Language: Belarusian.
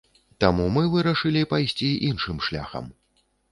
Таму мы вырашылі пайсці іншым шляхам.